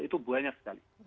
itu banyak sekali